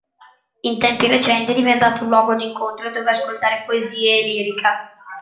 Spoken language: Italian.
In tempi recenti è diventato un luogo di incontro dove ascoltare poesie e lirica.